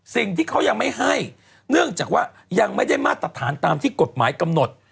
สิ่งที่เขายังไม่ให้เนื่องจากว่ายังไม่ได้มาตรฐานตามที่กฎหมายกำหนด